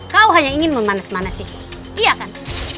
kau hanya ingin memanas manasiku iya kan